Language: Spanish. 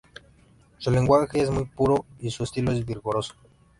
Su lenguaje es muy puro y su estilo es vigoroso.